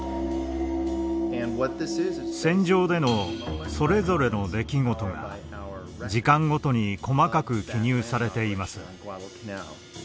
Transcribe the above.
戦場でのそれぞれの出来事が時間ごとに細かく記入されています。